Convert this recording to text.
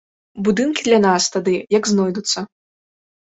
Будынкі для нас тады як знойдуцца.